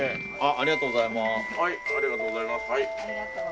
ありがとうございます。